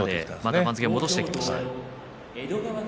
番付を戻してきました。